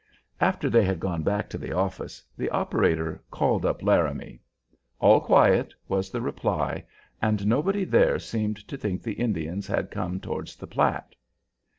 After they had gone back to the office the operator "called up" Laramie. "All quiet," was the reply, and nobody there seemed to think the Indians had come towards the Platte.